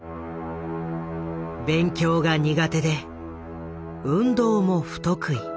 勉強が苦手で運動も不得意。